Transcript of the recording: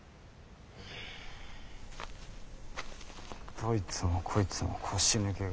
どいつもこいつも腰抜けが。